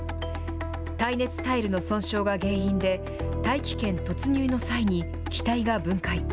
耐熱タイルの損傷が原因で、大気圏突入の際に機体が分解。